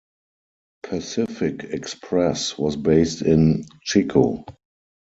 Pacific Express was based in Chico.